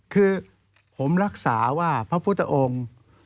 คือผมรักษาว่าพระพุทธองค์